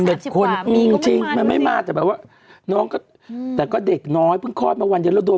พูดแม่อายุเท่าไหร่ใช่วะ